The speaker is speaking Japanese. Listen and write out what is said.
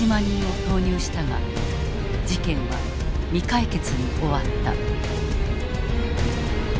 人を投入したが事件は未解決に終わった。